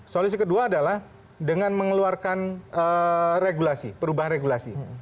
solusi kedua adalah dengan mengeluarkan regulasi perubahan regulasi